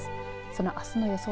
そのあすの予想